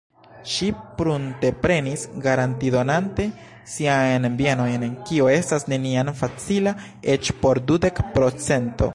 Ŝi prunteprenis garantidonante siajn bienojn, kio estas neniam facila eĉ por dudek pro cento.